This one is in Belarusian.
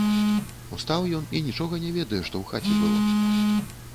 Устаў ён і нічога не ведае, што ў хаце было.